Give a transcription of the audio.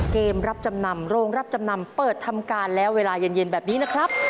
เกมรับจำนำโรงรับจำนำเปิดทำการแล้วเวลาเย็นแบบนี้นะครับ